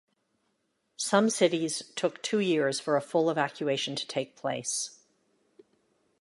Some cities took two years for a full evacuation to take place.